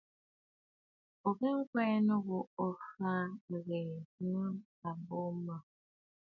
Ò ghɛ nyweʼe ghu, ò faʼà ŋ̀ghɛɛ nɨ̂ àbô màʼà.